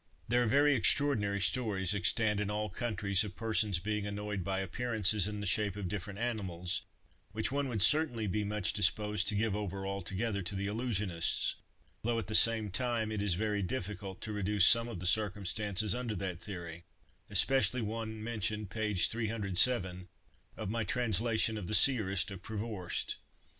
There are very extraordinary stories extant in all countries, of persons being annoyed by appearances in the shape of different animals, which one would certainly be much disposed to give over altogether to the illusionists; though, at the same time, it is very difficult to reduce some of the circumstances under that theory—especially one mentioned page 307 of my "Translation of the Seeress of Prevorst."